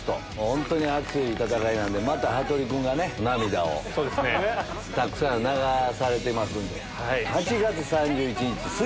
本当に熱い戦いなんでまた羽鳥君が涙をたくさん流されてますんで。